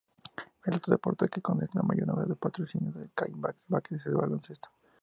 El otro deporte que concentra mayor número de patrocinios de CaixaBank es el baloncesto.